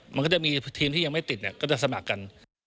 มันก็จะมีทีมที่ยังไม่ติดก็จะสมัครกัน